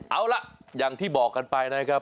เอาล่ะอย่างที่บอกกันไปนะครับ